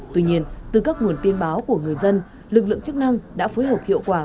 tuy nhiên từ các nguồn tin báo của người dân lực lượng chức năng đã phối hợp hiệu quả